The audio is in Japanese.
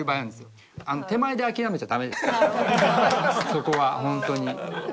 そこはホントに。